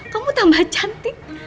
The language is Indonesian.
kamu tambah cantik